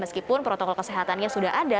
meskipun protokol kesehatannya sudah ada